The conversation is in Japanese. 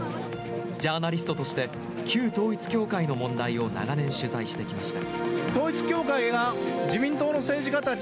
ジャーナリストとして旧統一教会の問題を長年、取材してきました。